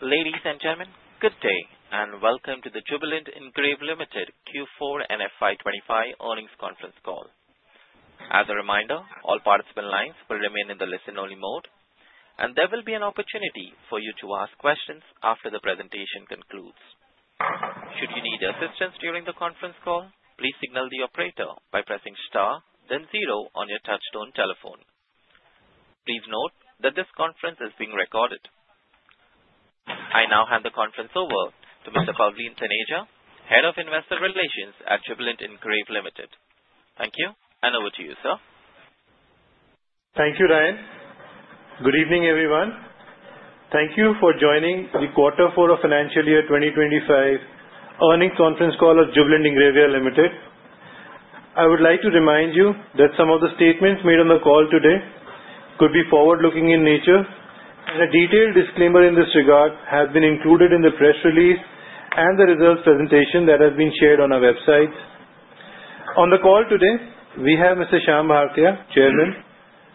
Ladies and gentlemen, good day and welcome to the Jubilant Ingrevia Limited Q4 FY25 earnings conference call. As a reminder, all participant lines will remain in the listen-only mode, and there will be an opportunity for you to ask questions after the presentation concludes. Should you need assistance during the conference call, please signal the operator by pressing star, then zero on your touch-tone telephone. Please note that this conference is being recorded. I now hand the conference over to Mr. Pavleen Taneja, Head of Investor Relations at Jubilant Ingrevia Limited. Thank you, and over to you, sir. Thank you, Ryan. Good evening, everyone. Thank you for joining the Q4 Financial Year 2025 earnings conference call of Jubilant Ingrevia Limited. I would like to remind you that some of the statements made on the call today could be forward-looking in nature, and a detailed disclaimer in this regard has been included in the press release and the results presentation that has been shared on our website. On the call today, we have Mr. Shyam Bhartia, Chairman,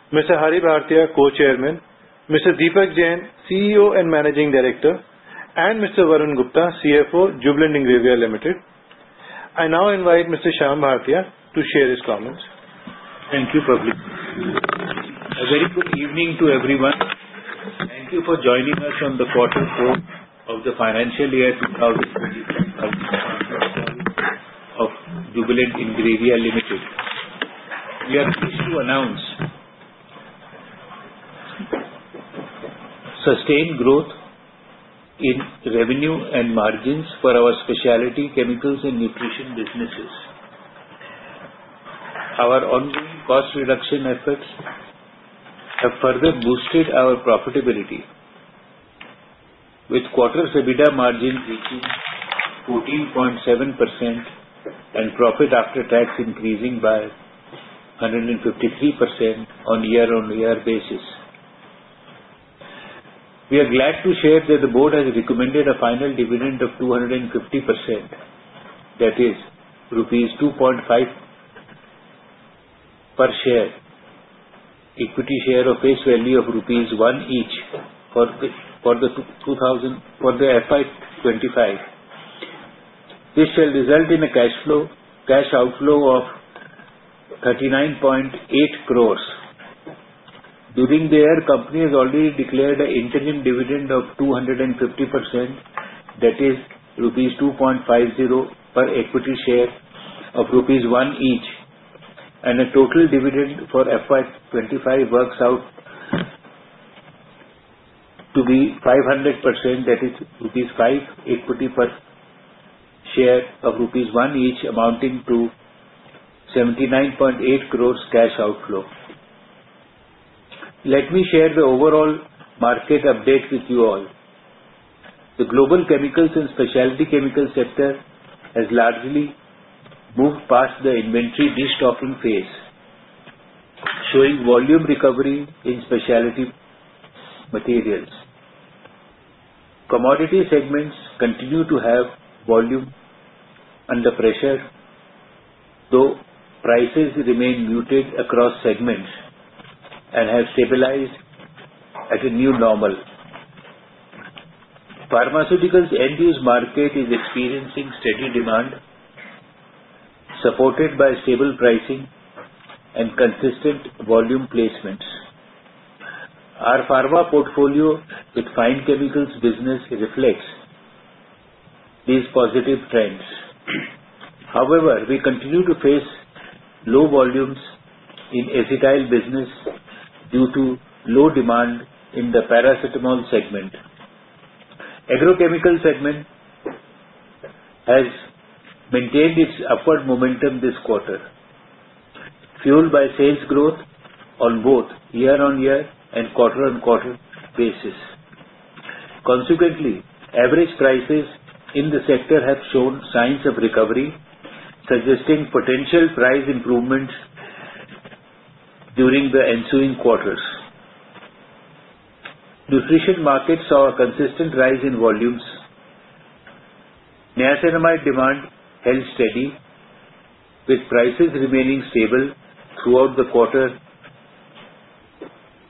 Mr. Hari Bhartia, Co-Chairman, Mr. Deepak Jain, CEO and Managing Director, and Mr. Varun Gupta, CFO, Jubilant Ingrevia Limited. I now invite Mr. Shyam Bhartia to share his comments. Thank you, Pavleen. A very good evening to everyone. Thank you for joining us on the Q4 of the Financial Year 2025 earnings conference call of Jubilant Ingrevia Limited. We are pleased to announce sustained growth in revenue and margins for our specialty chemicals and nutrition businesses. Our ongoing cost reduction efforts have further boosted our profitability, with quarter EBITDA margin reaching 14.7% and profit after tax increasing by 153% on a year-on-year basis. We are glad to share that the board has recommended a final dividend of 250%, that is, rupees 2.5 per share, equity share of face value of rupees 1 each for the FY25. This shall result in a cash outflow of 39.8 crores. During the year, the company has already declared an interim dividend of 250%, that is, rupees 2.50 per equity share of rupees 1 each, and the total dividend for FY25 works out to be 500%, that is, rupees 5 equity per share of rupees 1 each, amounting to 79.8 crores cash outflow. Let me share the overall market update with you all. The global chemicals and specialty chemicals sector has largely moved past the inventory restocking phase, showing volume recovery in specialty materials. Commodity segments continue to have volume under pressure, though prices remain muted across segments and have stabilized at a new normal. Pharmaceuticals end-use market is experiencing steady demand, supported by stable pricing and consistent volume placements. Our pharma portfolio with fine chemicals business reflects these positive trends. However, we continue to face low volumes in acetyl business due to low demand in the paracetamol segment. Agrochemicals segment has maintained its upward momentum this quarter, fueled by sales growth on both year-on-year and quarter-on-quarter basis. Consequently, average prices in the sector have shown signs of recovery, suggesting potential price improvements during the ensuing quarters. Nutrition markets saw a consistent rise in volumes. Niacinamide demand held steady, with prices remaining stable throughout the quarter.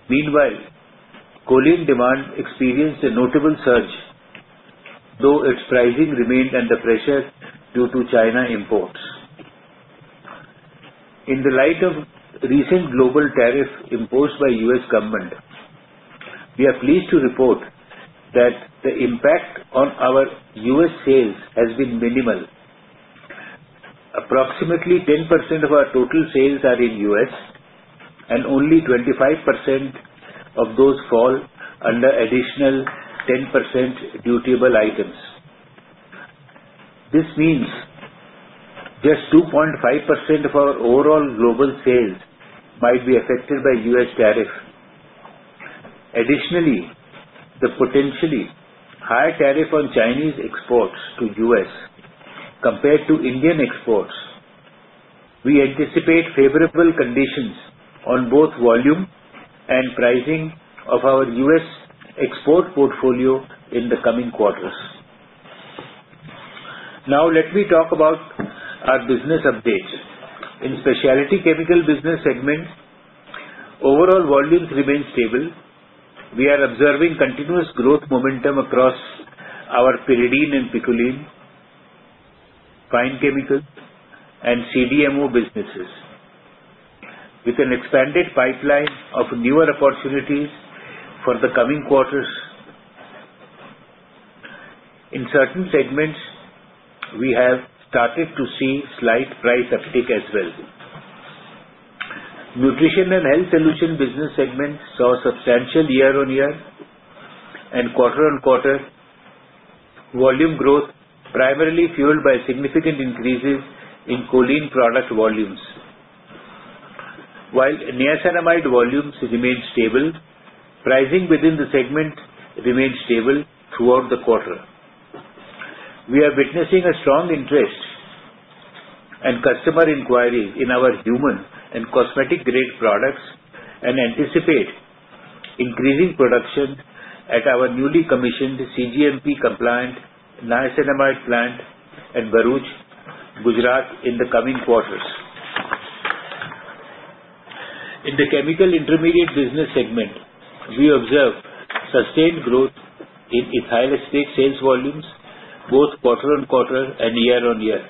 Meanwhile, choline demand experienced a notable surge, though its pricing remained under pressure due to Chinese imports. In the light of recent global tariffs imposed by the U.S. government, we are pleased to report that the impact on our U.S. sales has been minimal. Approximately 10% of our total sales are in the U.S., and only 25% of those fall under additional 10% dutiable items. This means just 2.5% of our overall global sales might be affected by U.S. tariffs. Additionally, the potentially high tariff on Chinese exports to the U.S. compared to Indian exports, we anticipate favorable conditions on both volume and pricing of our U.S. export portfolio in the coming quarters. Now, let me talk about our business updates. In specialty chemicals business segment, overall volumes remain stable. We are observing continuous growth momentum across our pyridine and picoline fine chemicals and CDMO businesses, with an expanded pipeline of newer opportunities for the coming quarters. In certain segments, we have started to see slight price uptick as well. Nutrition and health solutions business segment saw substantial year-on-year and quarter-on-quarter volume growth, primarily fueled by significant increases in choline product volumes. While niacinamide volumes remain stable, pricing within the segment remained stable throughout the quarter. We are witnessing a strong interest and customer inquiry in our human and cosmetic-grade products and anticipate increasing production at our newly commissioned CGMP-compliant niacinamide plant in Bharuch, Gujarat, in the coming quarters. In the chemical intermediate business segment, we observe sustained growth in ethyl acetate sales volumes, both quarter-on-quarter and year-on-year.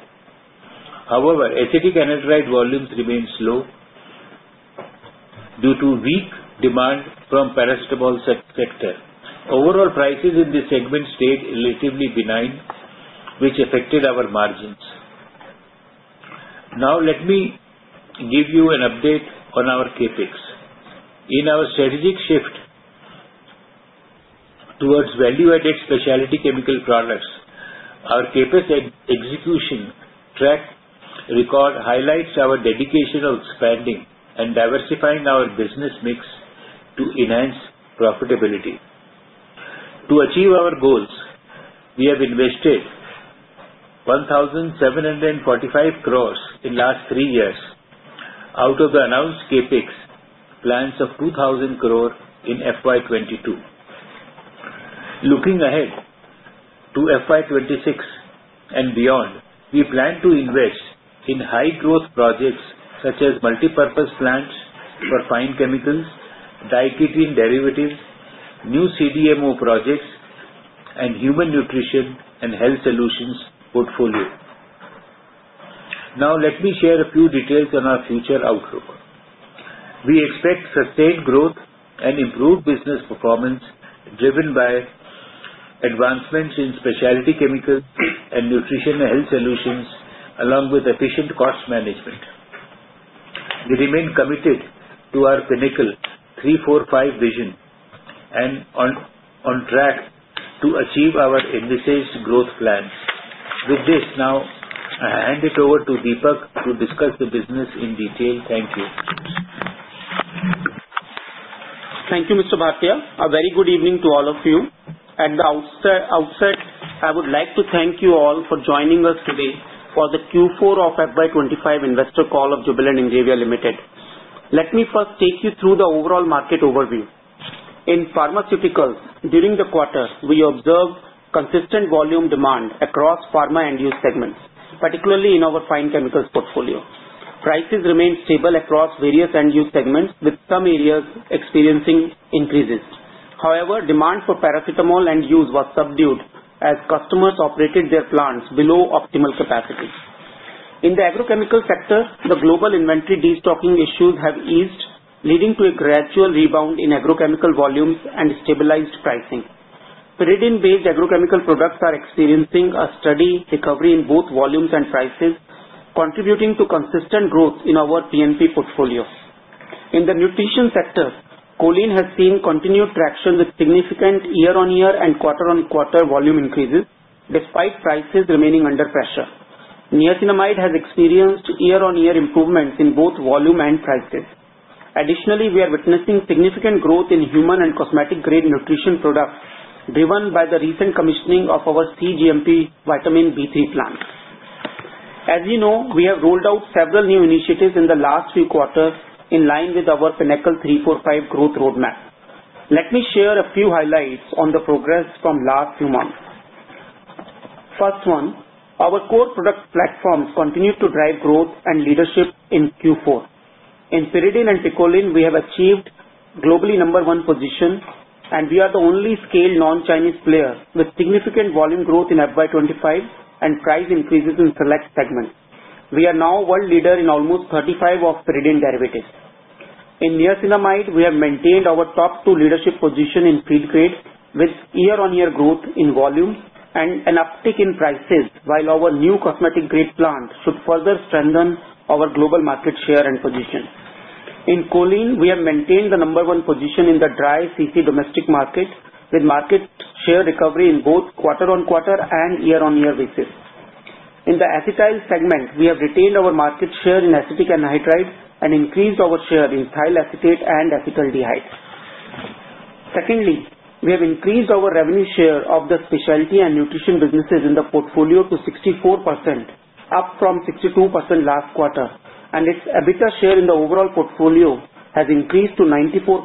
However, acetic anhydride volumes remain slow due to weak demand from the paracetamol sector. Overall prices in this segment stayed relatively benign, which affected our margins. Now, let me give you an update on our CapEx. In our strategic shift towards value-added specialty chemical products, our CapEx execution track record highlights our dedication of expanding and diversifying our business mix to enhance profitability. To achieve our goals, we have invested 1,745 crores in the last three years out of the announced CapEx plans of 2,000 crores in FY22. Looking ahead to FY26 and beyond, we plan to invest in high-growth projects such as multi-purpose plants for fine chemicals, dietary derivatives, new CDMO projects, and human nutrition and health solutions portfolio. Now, let me share a few details on our future outlook. We expect sustained growth and improved business performance driven by advancements in specialty chemicals and nutrition and health solutions, along with efficient cost management. We remain committed to our Pinnacle 3-4-5 vision and on track to achieve our envisaged growth plans. With this, now I hand it over to Deepak to discuss the business in detail. Thank you. Thank you, Mr. Bhartia. A very good evening to all of you. At the outset, I would like to thank you all for joining us today for the Q4 of FY25 investor call of Jubilant Ingrevia Limited. Let me first take you through the overall market overview. In pharmaceuticals, during the quarter, we observed consistent volume demand across pharma end-use segments, particularly in our fine chemicals portfolio. Prices remained stable across various end-use segments, with some areas experiencing increases. However, demand for paracetamol end-use was subdued as customers operated their plants below optimal capacity. In the agrochemicals sector, the global inventory destocking issues have eased, leading to a gradual rebound in agrochemical volumes and stabilized pricing. Pyridine-based agrochemical products are experiencing a steady recovery in both volumes and prices, contributing to consistent growth in our P&P portfolio. In the nutrition sector, choline has seen continued traction with significant year-on-year and quarter-on-quarter volume increases, despite prices remaining under pressure. Niacinamide has experienced year-on-year improvements in both volume and prices. Additionally, we are witnessing significant growth in human and cosmetic-grade nutrition products driven by the recent commissioning of our CGMP vitamin B3 plant. As you know, we have rolled out several new initiatives in the last few quarters in line with our Pinnacle 3-4-5 growth roadmap. Let me share a few highlights on the progress from the last few months. First one, our core product platforms continue to drive growth and leadership in Q4. In pyridine and picoline, we have achieved globally number one position, and we are the only scale non-Chinese player with significant volume growth in FY25 and price increases in select segments. We are now world leader in almost 35 of pyridine derivatives. In niacinamide, we have maintained our top two leadership positions in feed grade, with year-on-year growth in volumes and an uptick in prices, while our new cosmetic-grade plants should further strengthen our global market share and position. In choline, we have maintained the number one position in the dry CC domestic market, with market share recovery in both quarter-on-quarter and year-on-year basis. In the acetyl segment, we have retained our market share in acetic anhydride and increased our share in ethyl acetate and acetaldehyde. Secondly, we have increased our revenue share of the specialty and nutrition businesses in the portfolio to 64%, up from 62% last quarter, and its EBITDA share in the overall portfolio has increased to 94%,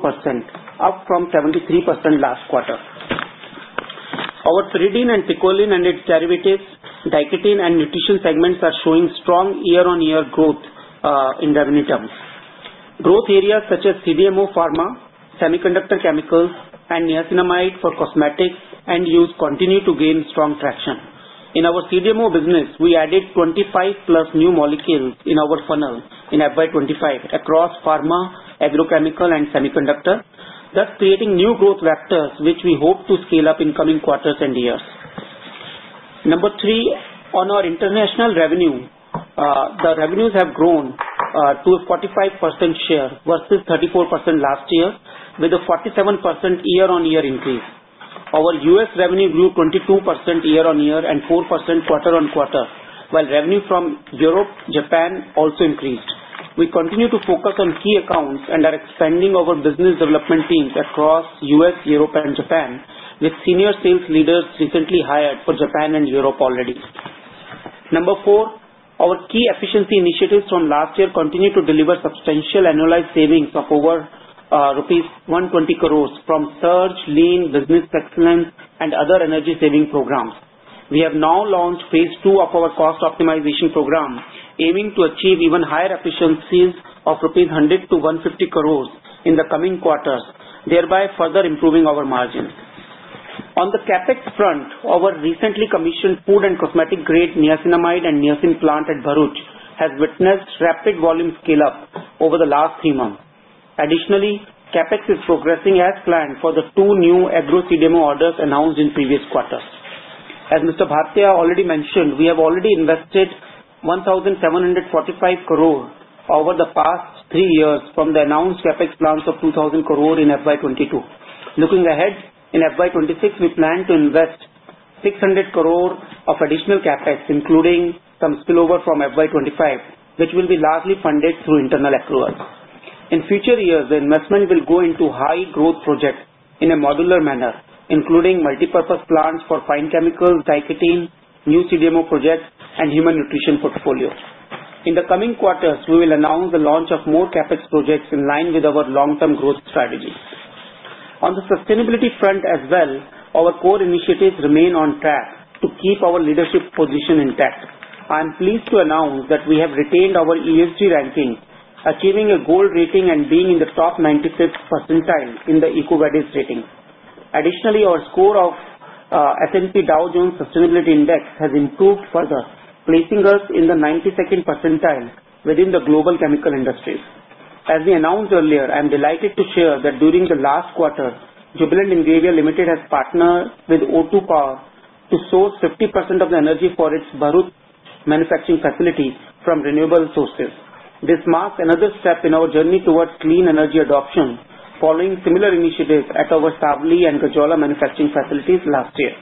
up from 73% last quarter. Our pyridine and picoline and its derivatives, diketene and nutrition segments are showing strong year-on-year growth in revenue terms. Growth areas such as CDMO pharma, semiconductor chemicals, and niacinamide for cosmetics end-use continue to gain strong traction. In our CDMO business, we added 25 plus new molecules in our funnel in FY25 across pharma, agrochemical, and semiconductors, thus creating new growth vectors which we hope to scale up in coming quarters and years. Number three, on our international revenue, the revenues have grown to a 45% share versus 34% last year, with a 47% year-on-year increase. Our U.S. revenue grew 22% year-on-year and 4% quarter-on-quarter, while revenue from Europe, Japan, also increased. We continue to focus on key accounts and are expanding our business development teams across U.S., Europe, and Japan, with senior sales leaders recently hired for Japan and Europe already. Number four, our key efficiency initiatives from last year continue to deliver substantial annualized savings of over rupees 120 crores from SURGE, LEAN, Business Excellence, and other energy-saving programs. We have now launched phase II of our cost optimization program, aiming to achieve even higher efficiencies of 100-150 crores rupees in the coming quarters, thereby further improving our margins. On the CapEx front, our recently commissioned food and cosmetic-grade niacinamide and niacin plant at Bharuch has witnessed rapid volume scale-up over the last three months. Additionally, CapEx is progressing as planned for the two new agro-CDMO orders announced in previous quarters. As Mr. Bhartia already mentioned, we have already invested 1,745 crores over the past three years from the announced CapEx plans of 2,000 crores in FY22. Looking ahead in FY26, we plan to invest 600 crores of additional CapEx, including some spillover from FY25, which will be largely funded through internal accruals. In future years, the investment will go into high-growth projects in a modular manner, including multi-purpose plants for fine chemicals, Diketene, new CDMO projects, and human nutrition portfolio. In the coming quarters, we will announce the launch of more CapEx projects in line with our long-term growth strategy. On the sustainability front as well, our core initiatives remain on track to keep our leadership position intact. I am pleased to announce that we have retained our ESG ranking, achieving a gold rating and being in the top 95th percentile in the EcoVadis rating. Additionally, our score of S&P Dow Jones Sustainability Index has improved further, placing us in the 92nd percentile within the global chemical industries. As we announced earlier, I am delighted to share that during the last quarter, Jubilant Ingrevia Limited has partnered with O2 Power to source 50% of the energy for its Bharuch manufacturing facilities from renewable sources. This marks another step in our journey towards clean energy adoption, following similar initiatives at our Savli and Gajraula manufacturing facilities last year.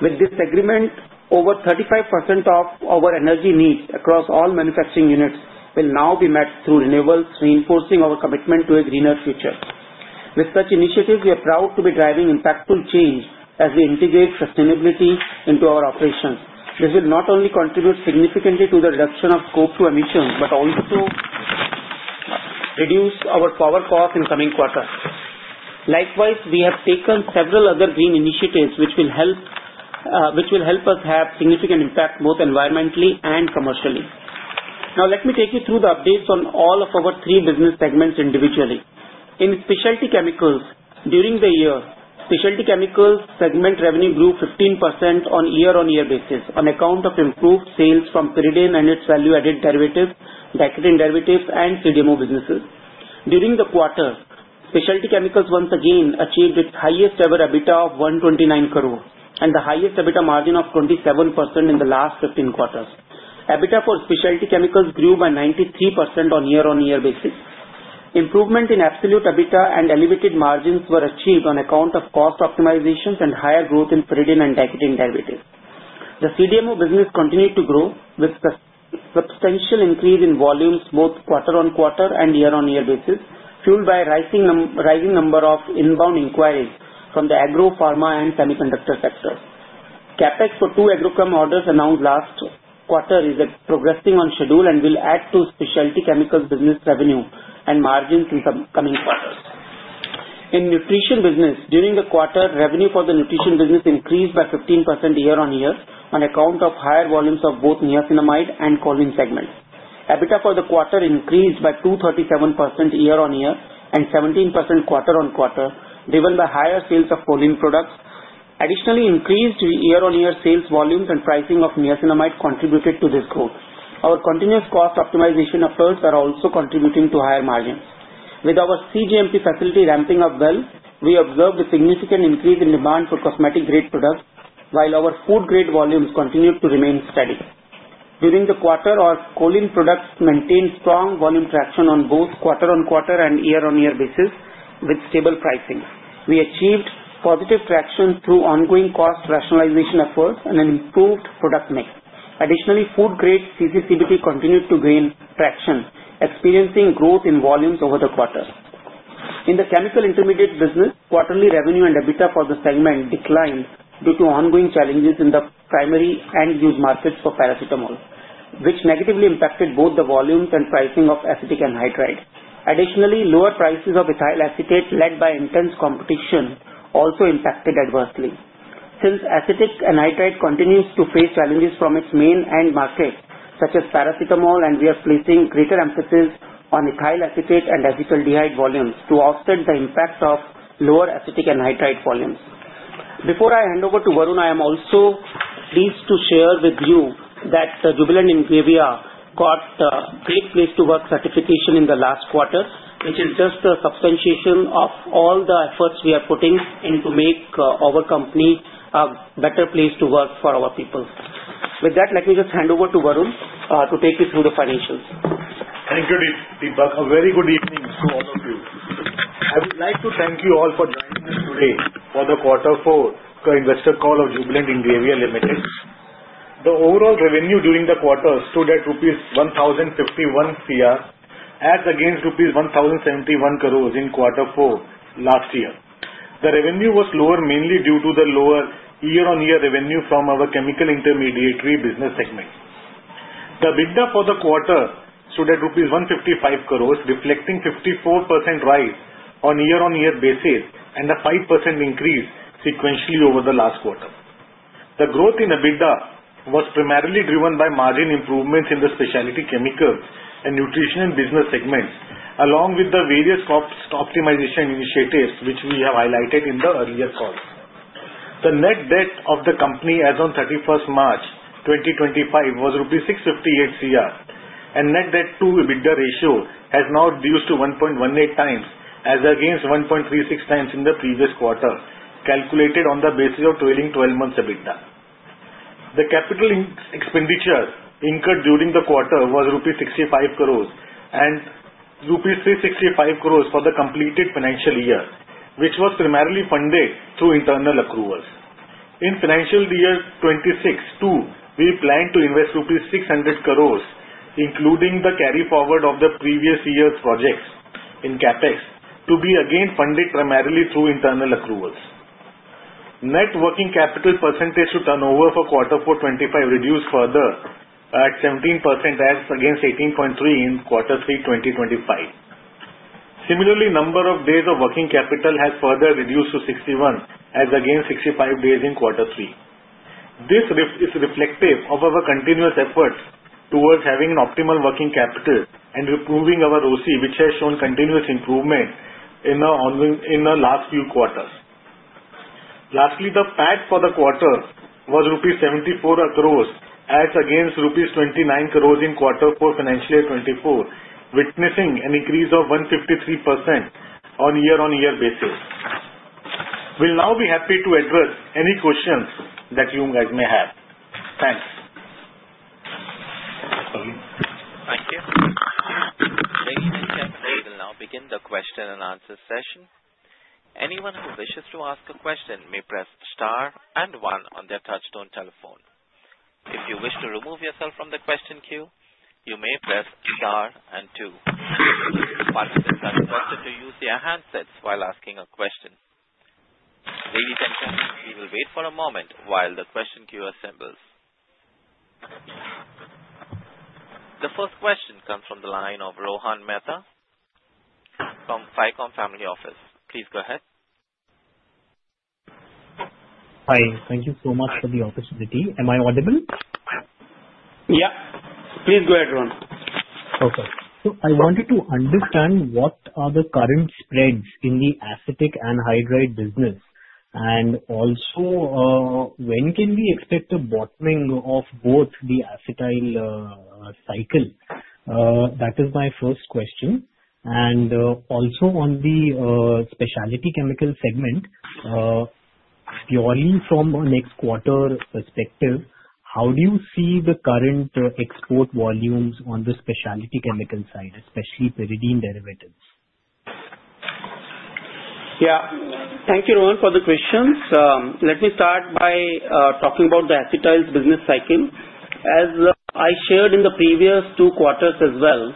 With this agreement, over 35% of our energy needs across all manufacturing units will now be met through renewables, reinforcing our commitment to a greener future. With such initiatives, we are proud to be driving impactful change as we integrate sustainability into our operations. This will not only contribute significantly to the reduction of CO2 emissions but also reduce our power costs in coming quarters. Likewise, we have taken several other green initiatives which will help us have significant impact both environmentally and commercially. Now, let me take you through the updates on all of our three business segments individually. In specialty chemicals, during the year, specialty chemicals segment revenue grew 15% on a year-on-year basis on account of improved sales from pyridine and its value-added derivatives, diketene derivatives, and CDMO businesses. During the quarter, specialty chemicals once again achieved its highest-ever EBITDA of 129 crores and the highest EBITDA margin of 27% in the last 15 quarters. EBITDA for specialty chemicals grew by 93% on a year-on-year basis. Improvement in absolute EBITDA and elevated margins were achieved on account of cost optimizations and higher growth in pyridine and diketene derivatives. The CDMO business continued to grow with substantial increase in volumes both quarter-on-quarter and year-on-year basis, fueled by a rising number of inbound inquiries from the agro, pharma, and semiconductor sectors. CapEx for two agrochem orders announced last quarter is progressing on schedule and will add to specialty chemicals business revenue and margins in the coming quarters. In nutrition business, during the quarter, revenue for the nutrition business increased by 15% year-on-year on account of higher volumes of both niacinamide and choline segments. EBITDA for the quarter increased by 237% year-on-year and 17% quarter-on-quarter, driven by higher sales of choline products. Additionally, increased year-on-year sales volumes and pricing of niacinamide contributed to this growth. Our continuous cost optimization efforts are also contributing to higher margins. With our CGMP facility ramping up well, we observed a significant increase in demand for cosmetic-grade products, while our food-grade volumes continued to remain steady. During the quarter, our choline products maintained strong volume traction on both quarter-on-quarter and year-on-year basis with stable pricing. We achieved positive traction through ongoing cost rationalization efforts and an improved product mix. Additionally, food-grade CC CBT continued to gain traction, experiencing growth in volumes over the quarter. In the chemical intermediate business, quarterly revenue and EBITDA for the segment declined due to ongoing challenges in the primary end-use markets for Paracetamol, which negatively impacted both the volumes and pricing of Acetic Anhydride. Additionally, lower prices of Ethyl Acetate led by intense competition also impacted adversely. Since Acetic Anhydride continues to face challenges from its main end markets such as Paracetamol, we are placing greater emphasis on Ethyl Acetate and Acetaldehyde volumes to offset the impact of lower Acetic Anhydride volumes. Before I hand over to Varun, I am also pleased to share with you that Jubilant Ingrevia got a Great Place to Work certification in the last quarter, which is just the substantiation of all the efforts we are putting in to make our company a better place to work for our people. With that, let me just hand over to Varun to take you through the financials. Thank you, Deepak. A very good evening to all of you. I would like to thank you all for joining us today for the Q4 Investor Call of Jubilant Ingrevia Limited. The overall revenue during the quarter stood at INR 1,051 crores, as against INR 1,071 crores in Q4 last year. The revenue was lower mainly due to the lower year-on-year revenue from our chemical intermediate business segment. The EBITDA for the quarter stood at INR 155 crores, reflecting a 54% rise on a year-on-year basis and a 5% increase sequentially over the last quarter. The growth in EBITDA was primarily driven by margin improvements in the specialty chemicals and nutrition business segments, along with the various cost optimization initiatives which we have highlighted in the earlier calls. The net debt of the company as of 31 March 2025 was rupee 658 crores, and net debt-to-EBITDA ratio has now reduced to 1.18 times as against 1.36 times in the previous quarter, calculated on the basis of trailing 12 months' EBITDA. The capital expenditure incurred during the quarter was rupees 65 crores and rupees 365 crores for the completed financial year, which was primarily funded through internal accruals. In financial year 2026 too, we plan to invest INR 600 crores, including the carry forward of the previous year's projects in CapEx, to be again funded primarily through internal accruals. Net working capital percentage to turnover for Q4 25 reduced further at 17% as against 18.3% in Q3 2025. Similarly, the number of days of working capital has further reduced to 61, as against 65 days in Q3. This is reflective of our continuous efforts towards having an optimal working capital and improving our OC, which has shown continuous improvement in the last few quarters. Lastly, the PAT for the quarter was INR 74 crores as against INR 29 crores in Q4 FY24, witnessing an increase of 153% on a year-on-year basis. We'll now be happy to address any questions that you guys may have. Thanks. Thank you. Ladies and gentlemen, we will now begin the question and answer session. Anyone who wishes to ask a question may press star and one on their touch-tone telephone. If you wish to remove yourself from the question queue, you may press star and two. Participants are instructed to use their handsets while asking a question. Ladies and gentlemen, we will wait for a moment while the question queue assembles. The first question comes from the line of Rohan Mehta from FICOM Family Office. Please go ahead. Hi. Thank you so much for the opportunity. Am I audible? Yep. Please go ahead, Rohan. So I wanted to understand what are the current spreads in the acetic anhydride business, and also when can we expect a bottoming of both the acetyl cycle? That is my first question. And also on the specialty chemical segment, purely from a next quarter perspective, how do you see the current export volumes on the specialty chemical side, especially pyridine derivatives? Yeah. Thank you, Rohan, for the questions. Let me start by talking about the acetyl's business cycle. As I shared in the previous two quarters as well,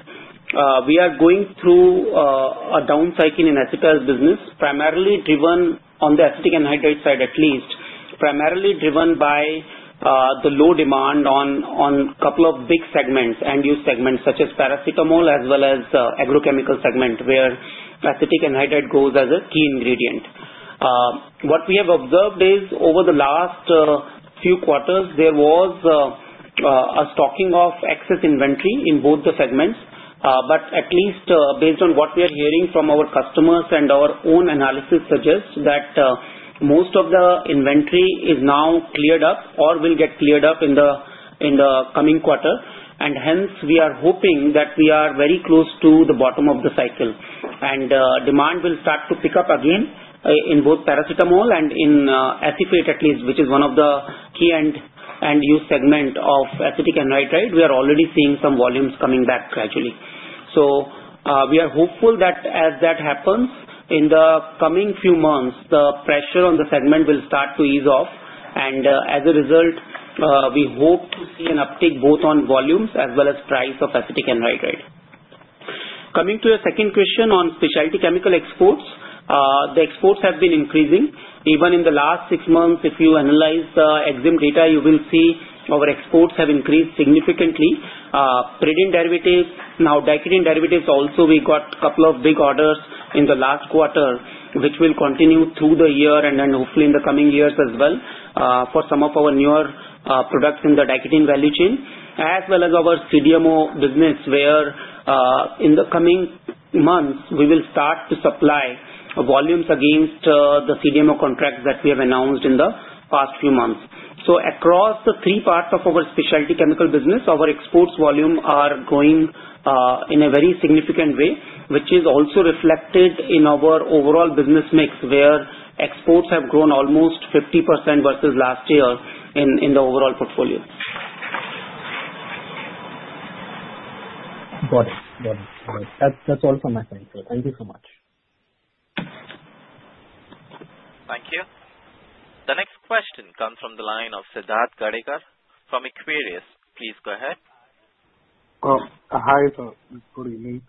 we are going through a down cycle in acetyl's business, primarily driven on the acetic anhydride side, at least, primarily driven by the low demand on a couple of big segments, end-use segments such as paracetamol as well as the agrochemical segment, where acetic anhydride goes as a key ingredient. What we have observed is over the last few quarters, there was a stocking of excess inventory in both the segments. But at least, based on what we are hearing from our customers and our own analysis suggests that most of the inventory is now cleared up or will get cleared up in the coming quarter. Hence, we are hoping that we are very close to the bottom of the cycle, and demand will start to pick up again in both paracetamol and in acetate, at least, which is one of the key end-use segments of acetic anhydride. We are already seeing some volumes coming back gradually. We are hopeful that as that happens in the coming few months, the pressure on the segment will start to ease off. As a result, we hope to see an uptick both on volumes as well as price of acetic anhydride. Coming to your second question on specialty chemical exports, the exports have been increasing. Even in the last six months, if you analyze the Ex-Im data, you will see our exports have increased significantly. Pyridine derivatives, now diketene derivatives also, we got a couple of big orders in the last quarter, which will continue through the year and then hopefully in the coming years as well for some of our newer products in the diketene value chain, as well as our CDMO business, where in the coming months, we will start to supply volumes against the CDMO contracts that we have announced in the past few months. So across the three parts of our specialty chemical business, our exports volumes are growing in a very significant way, which is also reflected in our overall business mix, where exports have grown almost 50% versus last year in the overall portfolio. Got it. Got it. That's all from my side. So thank you so much. Thank you. The next question comes from the line of Siddharth Gadekar from Equirus Securities. Please go ahead. Hi, sir. Good evening.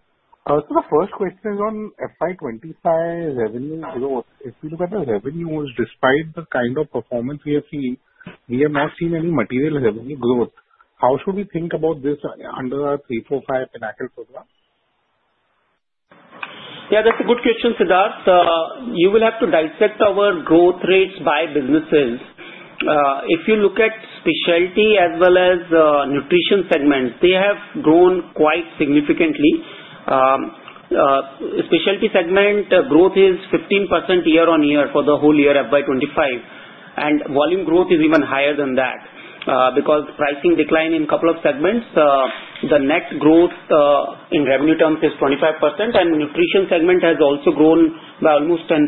So the first question is on FY25 revenue growth. If you look at the revenues, despite the kind of performance we have seen, we have not seen any material revenue growth. How should we think about this under our Pinnacle 3-4-5 program? Yeah, that's a good question, Siddharth. You will have to dissect our growth rates by businesses. If you look at specialty as well as nutrition segments, they have grown quite significantly. Specialty segment growth is 15% year-on-year for the whole year FY25, and volume growth is even higher than that because pricing declined in a couple of segments. The net growth in revenue terms is 25%, and nutrition segment has also grown by almost 10%.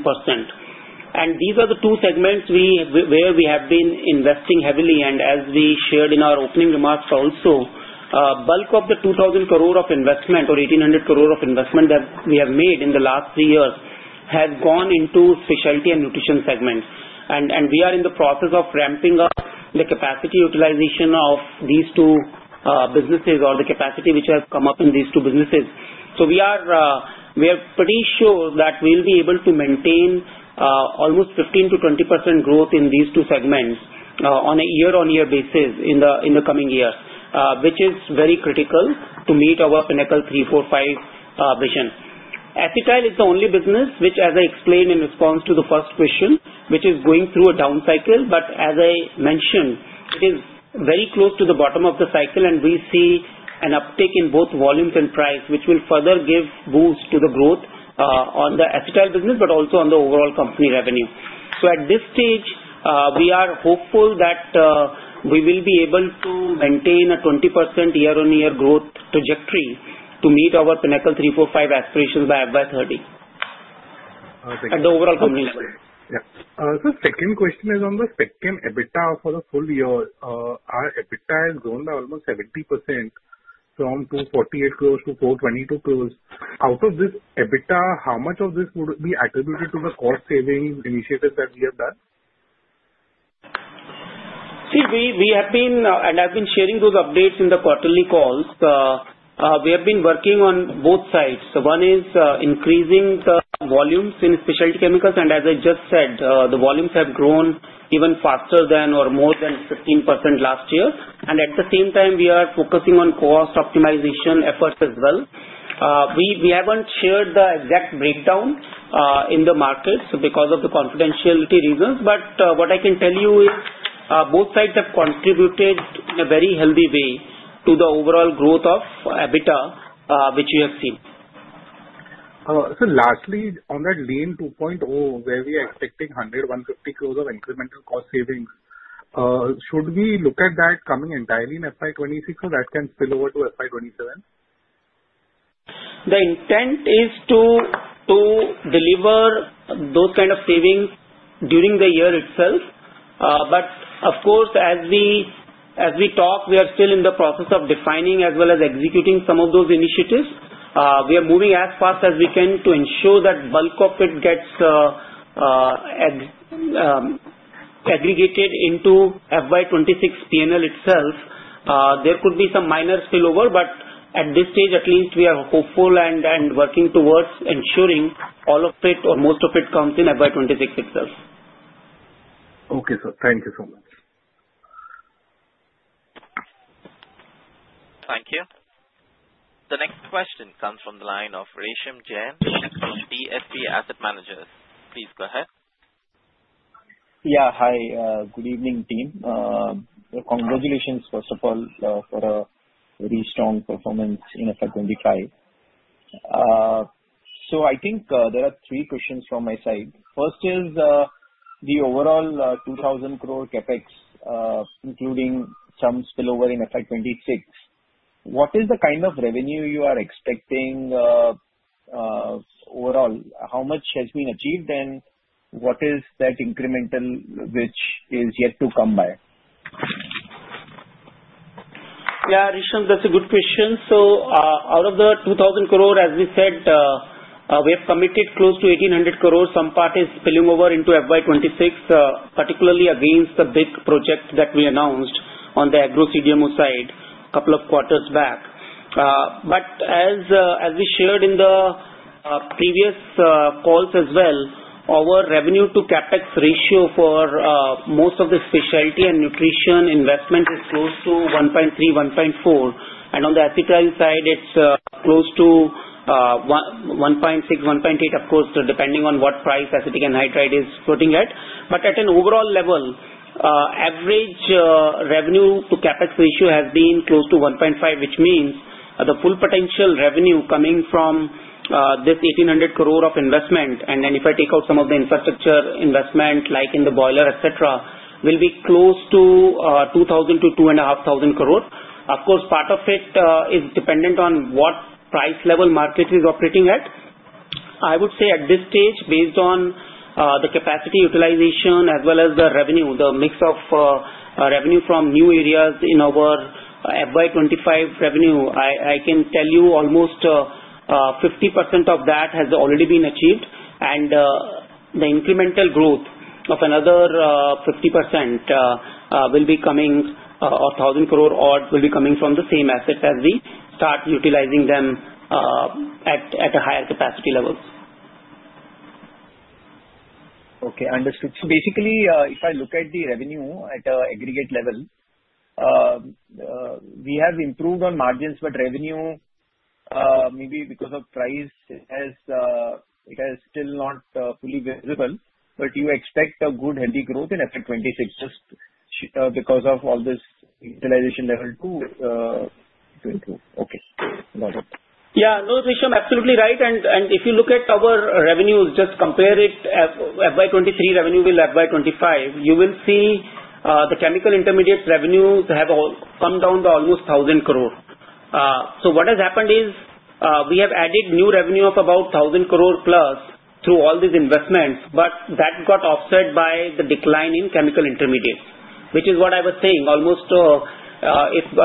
And these are the two segments where we have been investing heavily. And as we shared in our opening remarks also, bulk of the 2,000 crore of investment or 1,800 crore of investment that we have made in the last three years has gone into specialty and nutrition segments. We are in the process of ramping up the capacity utilization of these two businesses or the capacity which has come up in these two businesses. So we are pretty sure that we'll be able to maintain almost 15%-20% growth in these two segments on a year-on-year basis in the coming years, which is very critical to meet our Pinnacle 3-4-5 vision. Acetyl is the only business which, as I explained in response to the first question, is going through a down cycle. But as I mentioned, it is very close to the bottom of the cycle, and we see an uptick in both volumes and price, which will further give boost to the growth on the acetyl business, but also on the overall company revenue. So at this stage, we are hopeful that we will be able to maintain a 20% year-on-year growth trajectory to meet our Pinnacle 3-4-5 aspirations by FY30 at the overall company level. Yeah. So the second question is on the second EBITDA for the full year. Our EBITDA has grown by almost 70% from 248 crores to 422 crores. Out of this EBITDA, how much of this would be attributed to the cost-saving initiatives that we have done? See, we have been, and I've been sharing those updates in the quarterly calls. We have been working on both sides. One is increasing the volumes in specialty chemicals. And as I just said, the volumes have grown even faster than or more than 15% last year. And at the same time, we are focusing on cost optimization efforts as well. We haven't shared the exact breakdown in the markets because of the confidentiality reasons. But what I can tell you is both sides have contributed in a very healthy way to the overall growth of EBITDA, which we have seen. So lastly, on that Lean 2.0, where we are expecting 100-150 crores of incremental cost savings, should we look at that coming entirely in FY26 or that can spill over to FY27? The intent is to deliver those kinds of savings during the year itself. But of course, as we talk, we are still in the process of defining as well as executing some of those initiatives. We are moving as fast as we can to ensure that bulk of it gets aggregated into FY26 P&L itself. There could be some minor spillover, but at this stage, at least, we are hopeful and working towards ensuring all of it or most of it comes in FY26 itself. Okay, sir. Thank you so much. Thank you. The next question comes from the line of Resham Jain from DSP Asset Managers. Please go ahead. Yeah. Hi. Good evening, team. Congratulations, first of all, for a very strong performance in FY25. So I think there are three questions from my side. First is the overall 2,000 crore CapEx, including some spillover in FY26. What is the kind of revenue you are expecting overall? How much has been achieved, and what is that incremental which is yet to come by? Yeah, Resham, that's a good question. So out of the 2,000 crore, as we said, we have committed close to 1,800 crore. Some part is spilling over into FY26, particularly against the big project that we announced on the agro-CDMO side a couple of quarters back. But as we shared in the previous calls as well, our revenue-to-CapEx ratio for most of the specialty and nutrition investment is close to 1.3-1.4. And on the acetyl side, it's close to 1.6-1.8, of course, depending on what price acetic anhydride is floating at. But at an overall level, average revenue-to-CapEx ratio has been close to 1.5, which means the full potential revenue coming from this 1,800 crore of investment, and then if I take out some of the infrastructure investment like in the boiler, etc., will be close to 2,000-2,500 crore. Of course, part of it is dependent on what price level market is operating at. I would say at this stage, based on the capacity utilization as well as the revenue, the mix of revenue from new areas in our FY25 revenue, I can tell you almost 50% of that has already been achieved, and the incremental growth of another 50% will be coming, or 1,000 crore or will be coming from the same assets as we start utilizing them at a higher capacity levels. Okay. Understood. So basically, if I look at the revenue at an aggregate level, we have improved on margins, but revenue, maybe because of price, it has still not fully visible. But you expect a good, healthy growth in FY26 just because of all this utilization level to improve. Okay. Got it. Yeah. No, Resham, absolutely right. And if you look at our revenues, just compare it, FY23 revenue with FY25, you will see the chemical intermediates revenues have come down to almost 1,000 crore. So what has happened is we have added new revenue of about 1,000 crore plus through all these investments, but that got offset by the decline in chemical intermediates, which is what I was saying. Almost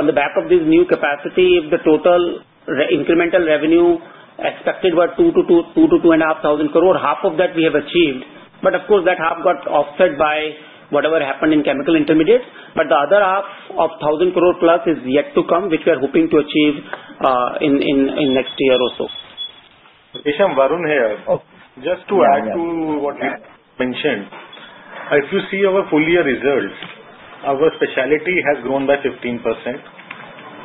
on the back of this new capacity, the total incremental revenue expected was 2,000-2,500 crore. Half of that we have achieved. But of course, that half got offset by whatever happened in chemical intermediates. But the other half of 1,000 crore plus is yet to come, which we are hoping to achieve in next year also. Resham Jain here, just to add to what you mentioned, if you see our full-year results, our specialty has grown by 15%.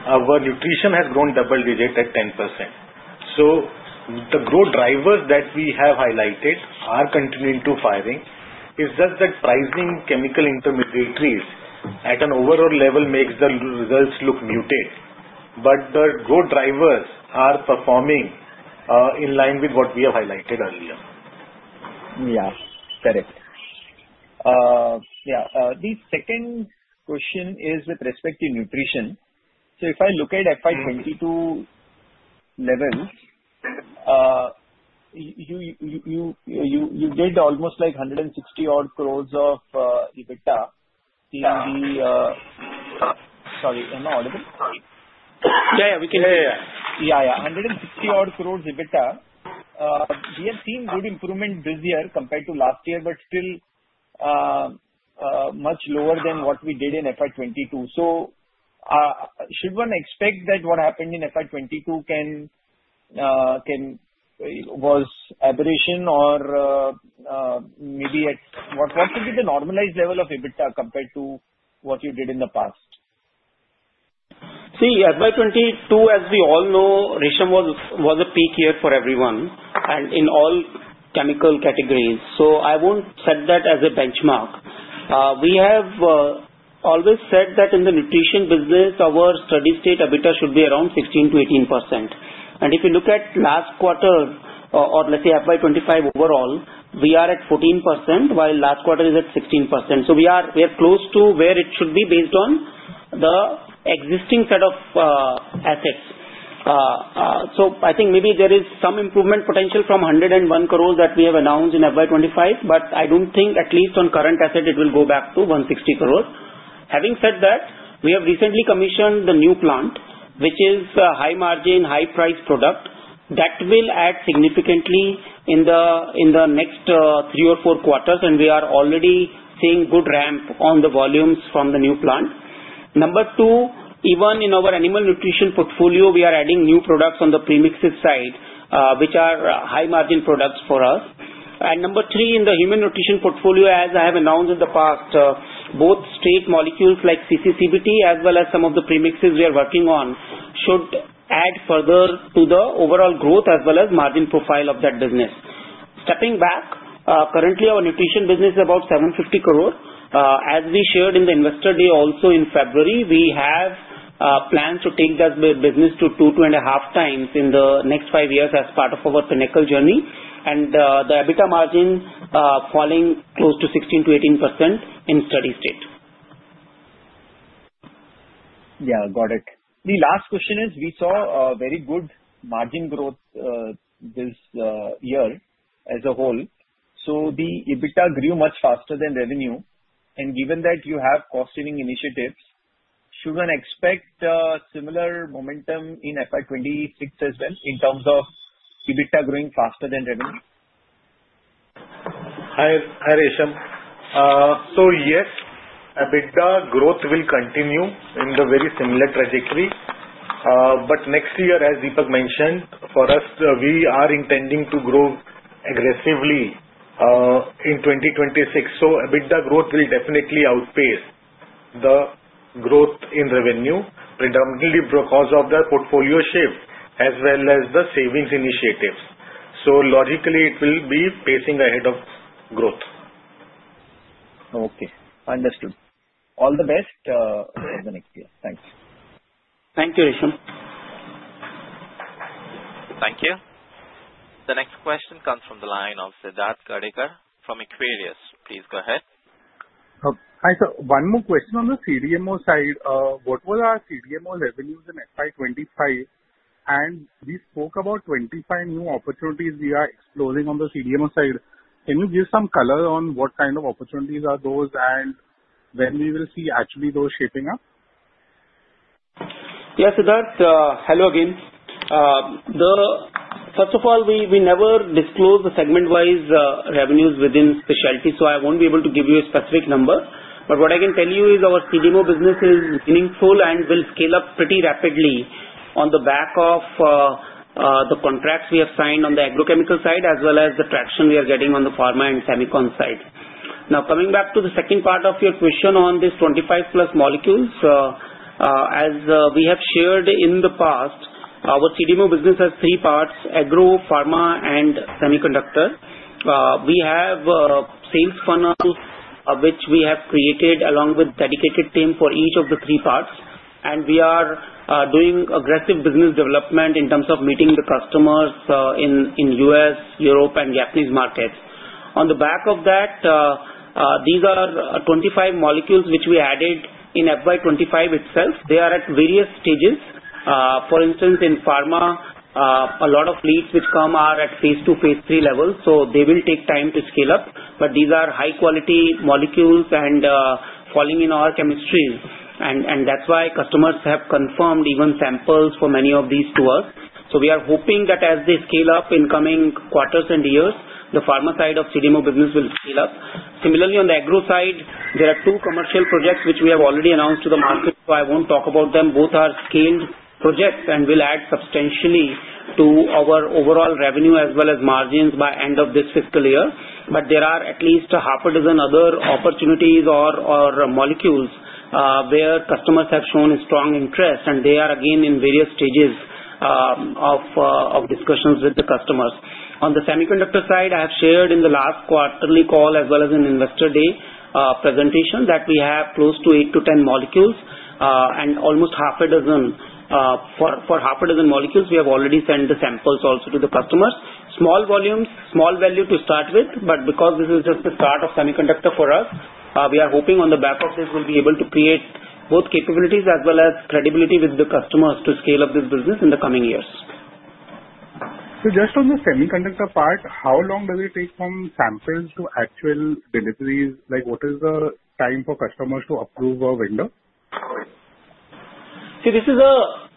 Our nutrition has grown double-digit at 10%. So the growth drivers that we have highlighted are continuing to firing. It's just that pricing chemical intermediates at an overall level makes the results look muted. But the growth drivers are performing in line with what we have highlighted earlier. Yeah. Correct. Yeah. The second question is with respect to nutrition. So if I look at FY22 levels, you did almost like 160 crores of EBITDA in the—sorry. Am I audible? Yeah, yeah. We can hear you. Yeah, yeah. 160 crores EBITDA. We have seen good improvement this year compared to last year, but still much lower than what we did in FY22. So should one expect that what happened in FY22 was aberration or maybe at—what would be the normalized level of EBITDA compared to what you did in the past? See, FY22, as we all know, Resham was a peak year for everyone and in all chemical categories. So I won't set that as a benchmark. We have always said that in the nutrition business, our steady-state EBITDA should be around 16%-18%. And if you look at last quarter or let's say FY25 overall, we are at 14%, while last quarter is at 16%. So we are close to where it should be based on the existing set of assets. So I think maybe there is some improvement potential from 101 crores that we have announced in FY25, but I don't think, at least on current asset, it will go back to 160 crores. Having said that, we have recently commissioned the new plant, which is a high-margin, high-priced product that will add significantly in the next three or four quarters, and we are already seeing good ramp on the volumes from the new plant. Number two, even in our animal nutrition portfolio, we are adding new products on the premixes side, which are high-margin products for us. And number three, in the human nutrition portfolio, as I have announced in the past, both straight molecules like CC, CBT as well as some of the premixes we are working on should add further to the overall growth as well as margin profile of that business. Stepping back, currently, our nutrition business is about 750 crore. As we shared in the investor day also in February, we have plans to take that business to two to two and a half times in the next five years as part of our Pinnacle journey, and the EBITDA margin falling close to 16%-18% in steady-state. Yeah. Got it. The last question is we saw very good margin growth this year as a whole, so the EBITDA grew much faster than revenue, and given that you have cost-saving initiatives, should one expect similar momentum in FY26 as well in terms of EBITDA growing faster than revenue? Hi, Resham. So yes, EBITDA growth will continue in the very similar trajectory, but next year, as Deepak mentioned, for us, we are intending to grow aggressively in 2026, so EBITDA growth will definitely outpace the growth in revenue, predominantly because of the portfolio shift as well as the savings initiatives. So logically, it will be pacing ahead of growth. Okay. Understood. All the best for the next year. Thanks. Thank you, Resham. Thank you. The next question comes from the line of Siddharth Gadekar from Equirus Securities. Please go ahead. Hi. So one more question on the CDMO side. What were our CDMO revenues in FY25? And we spoke about 25 new opportunities we are exploring on the CDMO side. Can you give some color on what kind of opportunities are those and when we will see actually those shaping up? Yeah, Siddharth, hello again. First of all, we never disclose the segment-wise revenues within specialty, so I won't be able to give you a specific number. But what I can tell you is our CDMO business is meaningful and will scale up pretty rapidly on the back of the contracts we have signed on the agrochemical side as well as the traction we are getting on the pharma and semiconductor side. Now, coming back to the second part of your question on this 25-plus molecules, as we have shared in the past, our CDMO business has three parts: agro, pharma, and semiconductor. We have sales funnels which we have created along with a dedicated team for each of the three parts. And we are doing aggressive business development in terms of meeting the customers in the U.S., Europe, and Japanese markets. On the back of that, these are 25 molecules which we added in FY25 itself. They are at various stages. For instance, in pharma, a lot of leads which come are at phase two, phase three levels. So they will take time to scale up. But these are high-quality molecules and falling in our chemistry. And that's why customers have confirmed even samples for many of these to us. So we are hoping that as they scale up in coming quarters and years, the pharma side of CDMO business will scale up. Similarly, on the agro side, there are two commercial projects which we have already announced to the market, so I won't talk about them. Both are scaled projects and will add substantially to our overall revenue as well as margins by the end of this fiscal year. But there are at least half a dozen other opportunities or molecules where customers have shown strong interest, and they are again in various stages of discussions with the customers. On the semiconductor side, I have shared in the last quarterly call as well as in investor day presentation that we have close to 8-10 molecules and almost half a dozen. For half a dozen molecules, we have already sent the samples also to the customers. Small volumes, small value to start with. But because this is just the start of semiconductor for us, we are hoping on the back of this we'll be able to create both capabilities as well as credibility with the customers to scale up this business in the coming years. So just on the semiconductor part, how long does it take from samples to actual deliveries? What is the time for customers to approve or window? See, this is,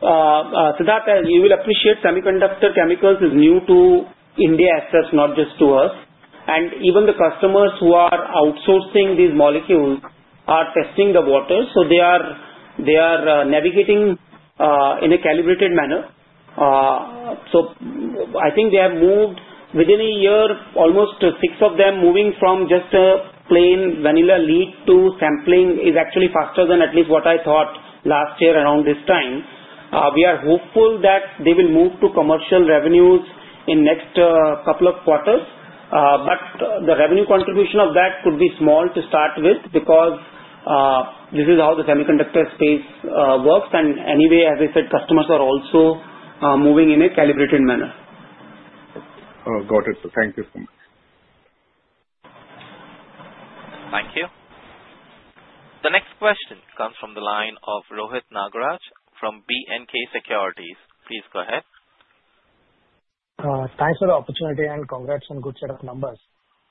Siddharth, you will appreciate semiconductor chemicals is new to Indian access, not just to us. And even the customers who are outsourcing these molecules are testing the waters. So they are navigating in a calibrated manner. So I think they have moved within a year, almost six of them moving from just a plain vanilla lead to sampling is actually faster than at least what I thought last year around this time. We are hopeful that they will move to commercial revenues in the next couple of quarters. But the revenue contribution of that could be small to start with because this is how the semiconductor space works. And anyway, as I said, customers are also moving in a calibrated manner. Got it. Thank you so much. Thank you. The next question comes from the line of Rohit Nagaraj from B&K Securities. Please go ahead. Thanks for the opportunity and congrats on good set of numbers.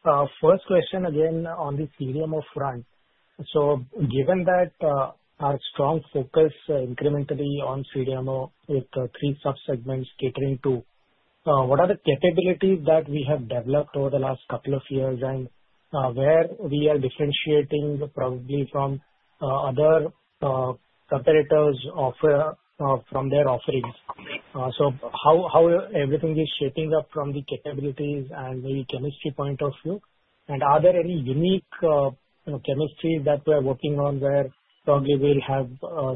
First question again on the CDMO front. So given that our strong focus incrementally on CDMO with three subsegments catering to, what are the capabilities that we have developed over the last couple of years and where we are differentiating probably from other competitors from their offerings? So how everything is shaping up from the capabilities and maybe chemistry point of view? And are there any unique chemistries that we are working on where probably we'll have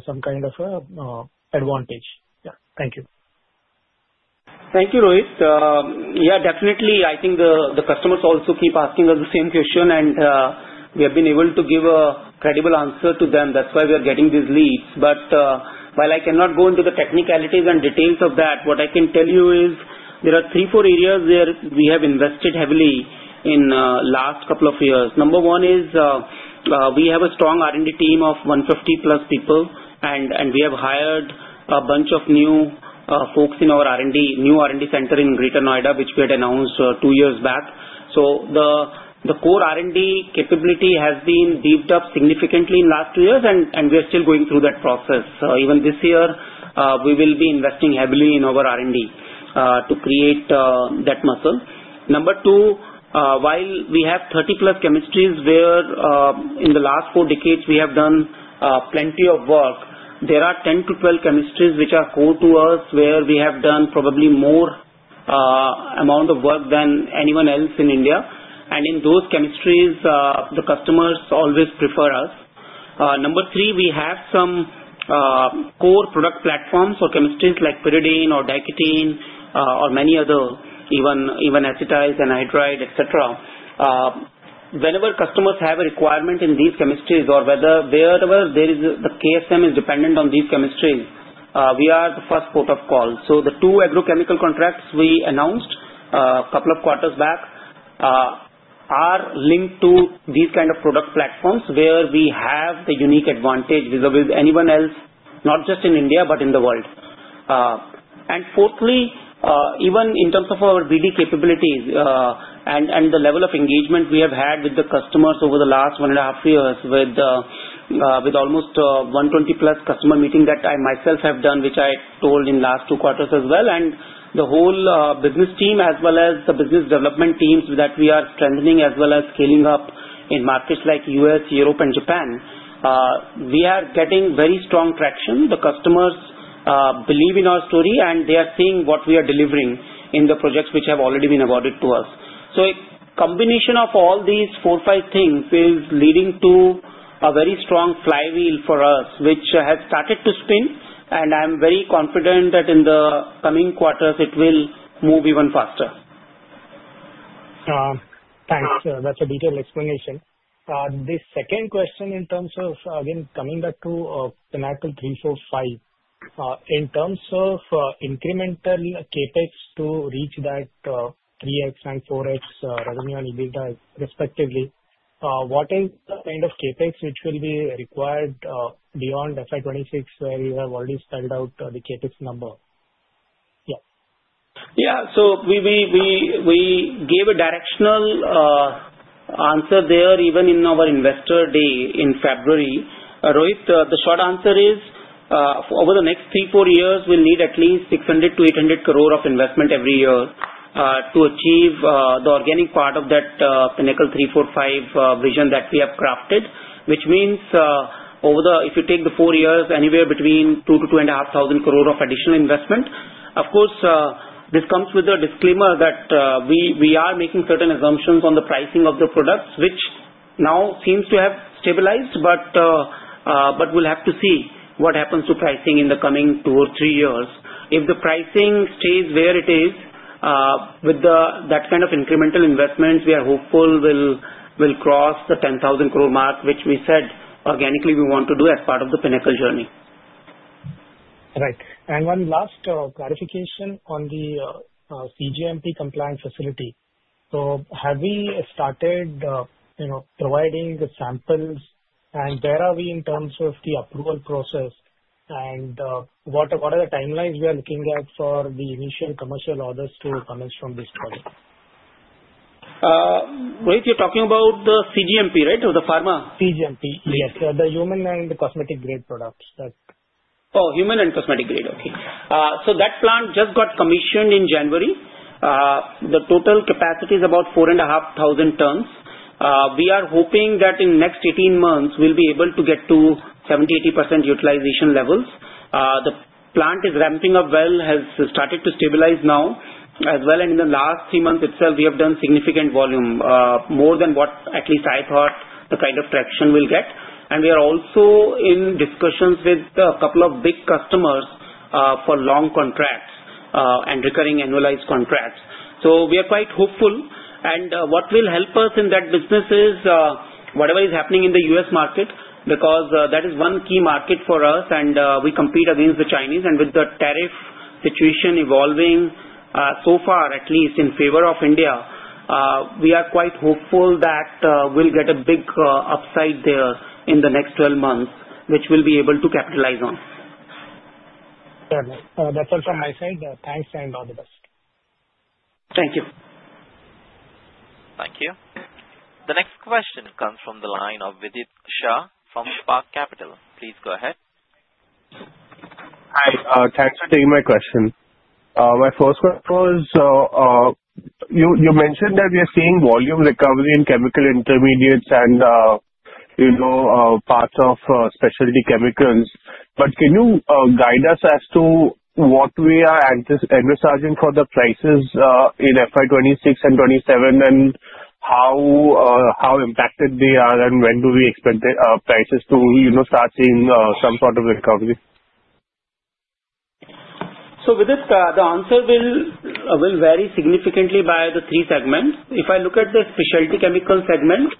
some kind of advantage? Yeah. Thank you. Thank you, Rohit. Yeah, definitely. I think the customers also keep asking us the same question, and we have been able to give a credible answer to them. That's why we are getting these leads. But while I cannot go into the technicalities and details of that, what I can tell you is there are three, four areas where we have invested heavily in the last couple of years. Number one is we have a strong R&D team of 150-plus people, and we have hired a bunch of new folks in our R&D, new R&D center in Greater Noida, which we had announced two years back. So the core R&D capability has been beefed up significantly in the last two years, and we are still going through that process. So even this year, we will be investing heavily in our R&D to create that muscle. Number two, while we have 30-plus chemistries where in the last four decades we have done plenty of work, there are 10 to 12 chemistries which are core to us where we have done probably more amount of work than anyone else in India. And in those chemistries, the customers always prefer us. Number three, we have some core product platforms or chemistries like pyridine or diketene or many other, even acetyls and anhydride, etc. Whenever customers have a requirement in these chemistries or wherever the KSM is dependent on these chemistries, we are the first port of call. So the two agrochemical contracts we announced a couple of quarters back are linked to these kind of product platforms where we have the unique advantage vis-à-vis anyone else, not just in India, but in the world. And fourthly, even in terms of our BD capabilities and the level of engagement we have had with the customers over the last one and a half years with almost 120-plus customer meetings that I myself have done, which I told in the last two quarters as well. And the whole business team as well as the business development teams that we are strengthening as well as scaling up in markets like U.S., Europe, and Japan, we are getting very strong traction. The customers believe in our story, and they are seeing what we are delivering in the projects which have already been awarded to us. So a combination of all these four, five things is leading to a very strong flywheel for us, which has started to spin. And I'm very confident that in the coming quarters, it will move even faster. Thanks. That's a detailed explanation. The second question in terms of, again, coming back to Pinnacle 3-4-5, in terms of incremental CapEx to reach that 3X and 4X revenue and EBITDA, respectively, what is the kind of CapEx which will be required beyond FY26 where you have already spelled out the CapEx number? Yeah. Yeah. So we gave a directional answer there even in our investor day in February. Rohit, the short answer is over the next three, four years, we'll need at least 600-800 crore of investment every year to achieve the organic part of that Pinnacle 3-4-5 vision that we have crafted, which means over the, if you take the four years, anywhere between 2,000-2,500 crore of additional investment. Of course, this comes with a disclaimer that we are making certain assumptions on the pricing of the products, which now seems to have stabilized, but we'll have to see what happens to pricing in the coming two or three years. If the pricing stays where it is, with that kind of incremental investments, we are hopeful we'll cross the 10,000 crore mark, which we said organically we want to do as part of the Pinnacle journey. Right. And one last clarification on the CGMP compliance facility. So have we started providing the samples? And where are we in terms of the approval process? And what are the timelines we are looking at for the initial commercial orders to come from this project? Rohit, you're talking about the CGMP, right? Or the pharma? CGMP. Yes. The human and cosmetic-grade products. Oh, human and cosmetic-grade. Okay. So that plant just got commissioned in January. The total capacity is about 4,500 tons. We are hoping that in the next 18 months, we'll be able to get to 70%-80% utilization levels. The plant is ramping up well, has started to stabilize now as well. And in the last three months itself, we have done significant volume, more than what at least I thought the kind of traction we'll get. And we are also in discussions with a couple of big customers for long contracts and recurring annualized contracts. So we are quite hopeful. And what will help us in that business is whatever is happening in the U.S. market, because that is one key market for us, and we compete against the Chinese. With the tariff situation evolving so far, at least in favor of India, we are quite hopeful that we'll get a big upside there in the next 12 months, which we'll be able to capitalize on. Yeah. That's all from my side. Thanks and all the best. Thank you. Thank you. The next question comes from the line of Vidit Shah from Spark Capital. Please go ahead. Hi. Thanks for taking my question. My first question was you mentioned that we are seeing volume recovery in chemical intermediates and parts of specialty chemicals. But can you guide us as to what we are expecting for the prices in FY 2026 and 2027 and how impacted they are and when do we expect prices to start seeing some sort of recovery? So, Vidit, the answer will vary significantly by the three segments. If I look at the specialty chemical segment,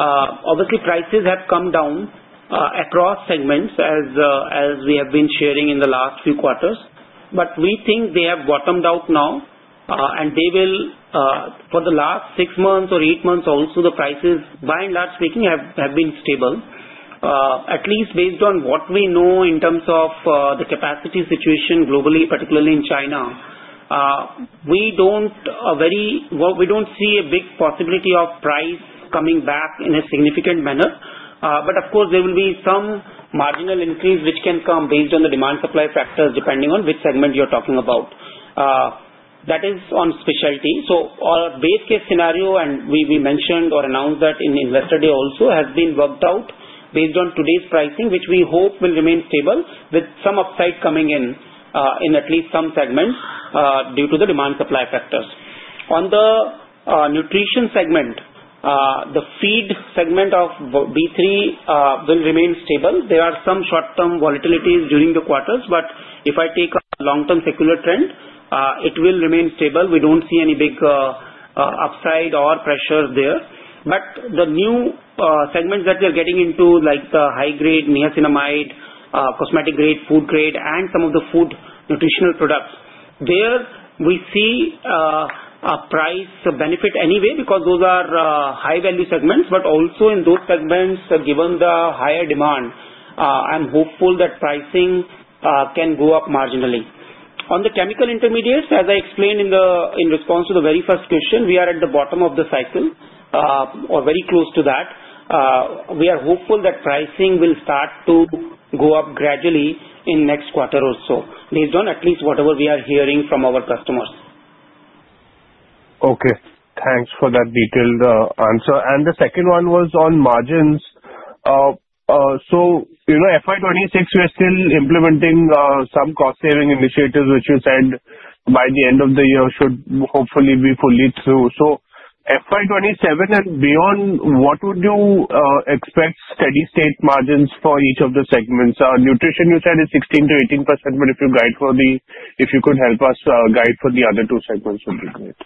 obviously, prices have come down across segments as we have been sharing in the last few quarters. But we think they have bottomed out now. And for the last six months or eight months also, the prices, by and large speaking, have been stable. At least based on what we know in terms of the capacity situation globally, particularly in China, we don't see a big possibility of price coming back in a significant manner. But of course, there will be some marginal increase which can come based on the demand-supply factors depending on which segment you're talking about. That is on specialty. So our base case scenario, and we mentioned or announced that in investor day also, has been worked out based on today's pricing, which we hope will remain stable with some upside coming in at least some segments due to the demand-supply factors. On the nutrition segment, the feed segment of B3 will remain stable. There are some short-term volatilities during the quarters. But if I take a long-term secular trend, it will remain stable. We don't see any big upside or pressure there. But the new segments that we are getting into, like the high-grade niacinamide, cosmetic-grade, food-grade, and some of the food nutritional products, there we see a price benefit anyway because those are high-value segments. But also in those segments, given the higher demand, I'm hopeful that pricing can go up marginally. On the chemical intermediates, as I explained in response to the very first question, we are at the bottom of the cycle or very close to that. We are hopeful that pricing will start to go up gradually in the next quarter or so based on at least whatever we are hearing from our customers. Okay. Thanks for that detailed answer. And the second one was on margins. So FY26, we are still implementing some cost-saving initiatives, which you said by the end of the year should hopefully be fully through. So FY27 and beyond, what would you expect steady-state margins for each of the segments? Nutrition, you said, is 16%-18%. But if you could help us guide for the other two segments would be great.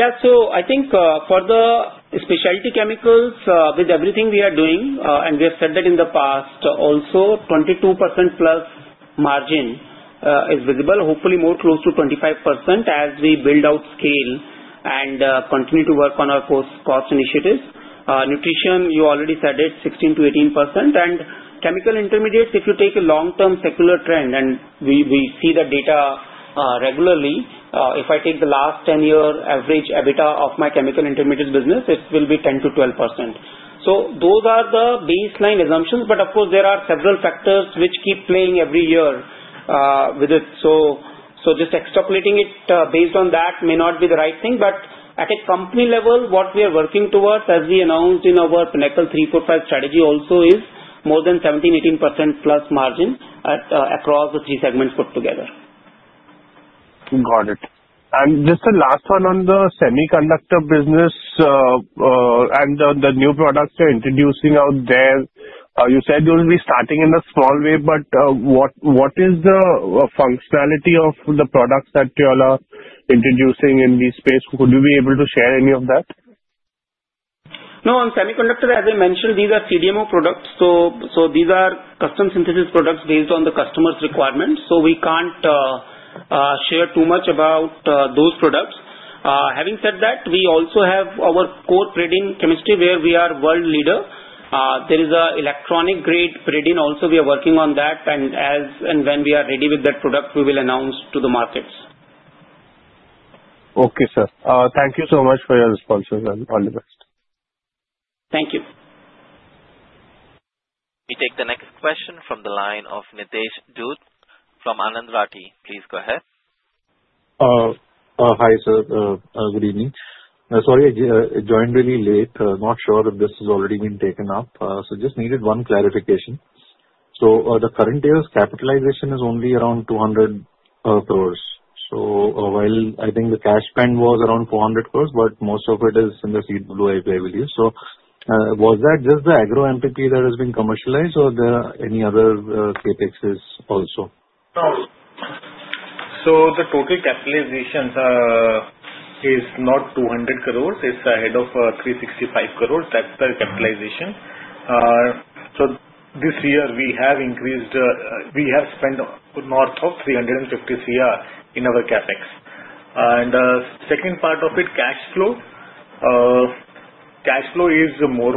Yeah. So I think for the specialty chemicals, with everything we are doing, and we have said that in the past, also 22%+ margin is visible, hopefully more close to 25% as we build out scale and continue to work on our cost initiatives. Nutrition, you already said it, 16%-18%. And chemical intermediates, if you take a long-term secular trend, and we see the data regularly, if I take the last 10-year average EBITDA of my chemical intermediates business, it will be 10%-12%. So those are the baseline assumptions. But of course, there are several factors which keep playing every year with it. So just extrapolating it based on that may not be the right thing. But at a company level, what we are working towards, as we announced in our Pinnacle 3-4-5 strategy also, is more than 17%-18% plus margin across the three segments put together. Got it. And just the last one on the semiconductor business and the new products you're introducing out there, you said you'll be starting in a small way. But what is the functionality of the products that you all are introducing in this space? Would you be able to share any of that? No. On semiconductor, as I mentioned, these are CDMO products. So these are custom synthesis products based on the customer's requirements. So we can't share too much about those products. Having said that, we also have our core pyridine chemistry where we are world leader. There is an electronic-grade pyridine also. We are working on that. And when we are ready with that product, we will announce to the markets. Okay, sir. Thank you so much for your responses. And all the best. Thank you. We take the next question from the line of Nitesh Dhoot from Anand Rathi. Please go ahead. Hi, sir. Good evening. Sorry, I joined really late. Not sure if this has already been taken up. So just needed one clarification. So the current year's capitalization is only around 200 crores. So while I think the cash spend was around 400 crores, but most of it is in the CWI payability. So was that just the agro MPP that has been commercialized, or are there any other CapExes also? No. So the total capitalization is not 200 crores. It's ahead of 365 crores. That's the capitalization. So this year, we have increased, we have spent north of 350 crores in our CapEx. And the second part of it, cash flow, cash flow is more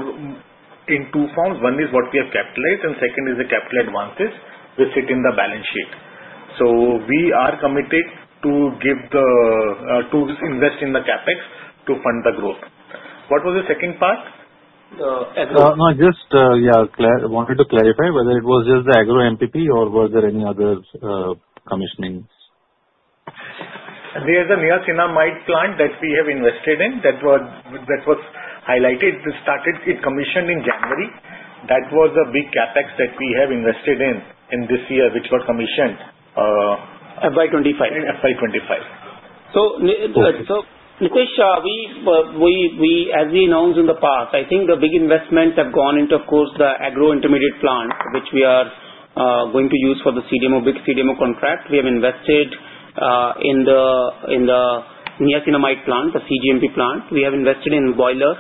in two forms. One is what we have capitalized, and second is the capital advances which sit in the balance sheet. So we are committed to invest in the CapEx to fund the growth. What was the second part? No, just, yeah, wanted to clarify whether it was just the agro MPP or were there any other commissionings? There's a niacinamide plant that we have invested in that was highlighted. It commissioned in January. That was a big CapEx that we have invested in this year which got commissioned. FY25? FY25. Nitesh, as we announced in the past, I think the big investments have gone into, of course, the agro intermediate plant which we are going to use for the big CDMO contract. We have invested in the niacinamide plant, the CGMP plant. We have invested in boilers.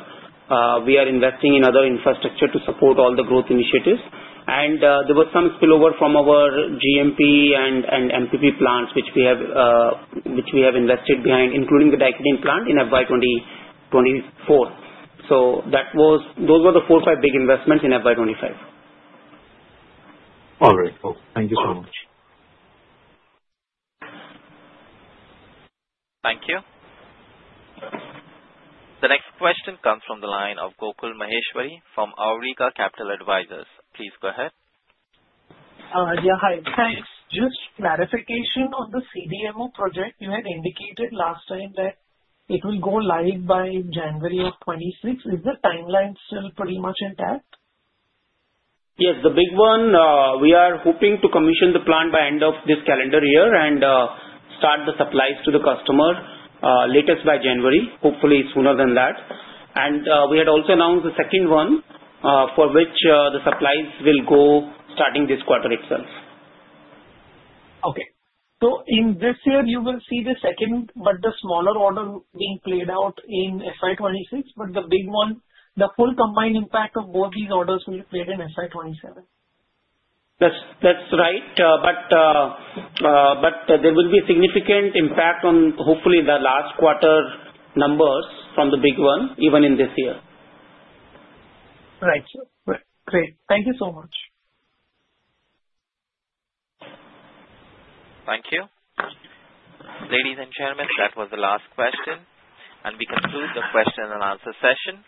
We are investing in other infrastructure to support all the growth initiatives. And there was some spillover from our GMP and MPP plants which we have invested behind, including the diketene plant in FY24. So those were the four, five big investments in FY25. All right. Thank you so much. Thank you. The next question comes from the line of Gokul Maheshwari from Awriga Capital Advisors. Please go ahead. Yeah. Hi. Thanks. Just clarification on the CDMO project. You had indicated last time that it will go live by January of 2026. Is the timeline still pretty much intact? Yes. The big one, we are hoping to commission the plant by end of this calendar year and start the supplies to the customer latest by January, hopefully sooner than that, and we had also announced the second one for which the supplies will go starting this quarter itself. Okay. So in this year, you will see the second, but the smaller order being played out in FY26 but the big one, the full combined impact of both these orders will be played in FY27? That's right. But there will be significant impact on, hopefully, the last quarter numbers from the big one, even in this year. Right. Great. Thank you so much. Thank you. Ladies and gentlemen, that was the last question, and we conclude the question and answer session.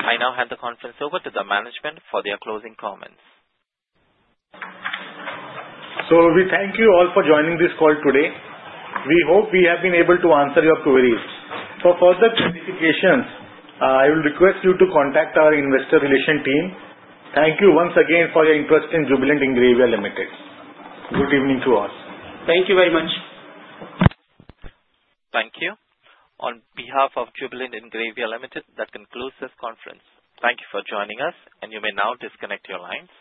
I now hand the conference over to the management for their closing comments. So we thank you all for joining this call today. We hope we have been able to answer your queries. For further clarifications, I will request you to contact our Investor Relations team. Thank you once again for your interest in Jubilant Ingrevia Limited. Good evening to us. Thank you very much. Thank you. On behalf of Jubilant Ingrevia Limited, that concludes this conference. Thank you for joining us. And you may now disconnect your lines.